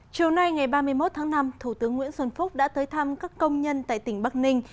chiều nay ngày ba mươi một tháng năm thủ tướng nguyễn xuân phúc đã tới thăm các công nhân tại tỉnh bắc ninh